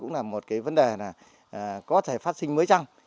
cũng là một cái vấn đề là có thể phát sinh mới chăng